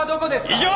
以上！